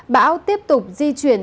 bão tiếp tục di chuyển